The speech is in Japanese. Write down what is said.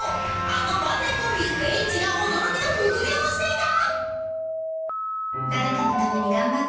あの漫才コンビ Ｈ が驚きの副業をしていた！？